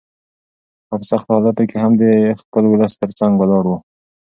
هغه په سختو حالاتو کې هم د خپل ولس تر څنګ ولاړ و.